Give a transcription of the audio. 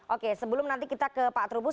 oke sebelum nanti kita ke pak trubus